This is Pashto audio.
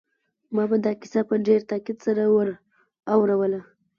ما به دا کیسه په ډېر تاکید سره ور اوروله